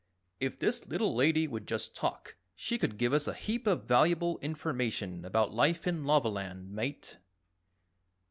"If this little Lady would just talk, she could give us a heap of valuable information about life in Lavaland, Mate."